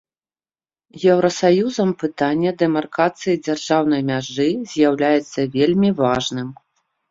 Еўрасаюзам пытанне дэмаркацыі дзяржаўнай мяжы з'яўляецца вельмі важным.